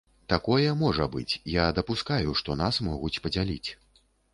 Такое можа быць, я дапускаю, што нас могуць падзяліць.